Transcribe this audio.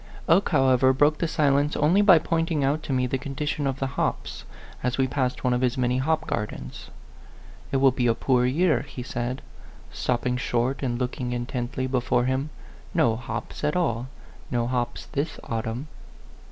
Oke, however, broke the silence only by pointing out to me the condition of the hops, as we passed one of his many hop gardens. "It will be a poor year," he said, stopping short and looking intently before him "no hops at all. No hops this au tumn."